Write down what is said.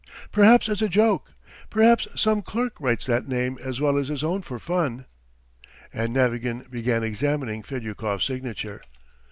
Perhaps it's a joke? Perhaps some clerk writes that name as well as his own for fun." And Navagin began examining Fedyukov's signature.